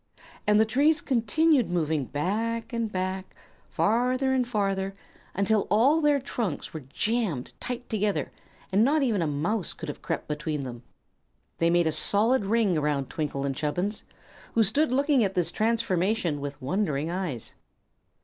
And the trees continued moving back and back, farther and farther, until all their trunks were jammed tight together, and not even a mouse could have crept between them. They made a solid ring around Twinkle and Chubbins, who stood looking at this transformation with wondering eyes.